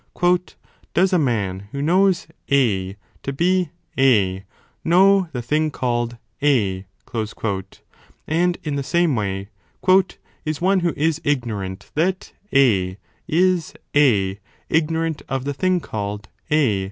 Does a man who knows A to be A, know the thing called A ? and in the same way, is one who is ignorant that A is A ignorant of the thing called A